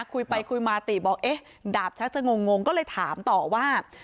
คุยไปคุยมาติบอกเอ๊ะดาบชักจะงงก็เลยถามต่อว่า